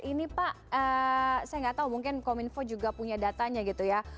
ini pak saya nggak tahu mungkin kominfo juga punya datanya gitu ya